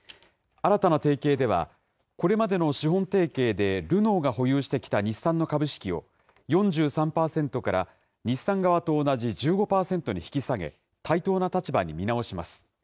新たな提携では、これまでの資本提携でルノーが保有してきた日産の株式を、４３％から、日産側と同じ１５％に引き下げ、対等な立場に見直します。